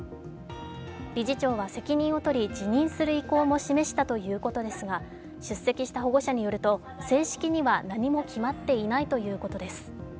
理事長は責任を取り、辞任する意向も示したということですが出席した保護者によると正式には何も決まっていないということです。